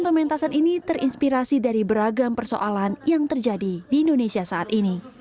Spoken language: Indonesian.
pementasan ini terinspirasi dari beragam persoalan yang terjadi di indonesia saat ini